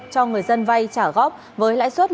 cho người dân vay trả góp với lãi suất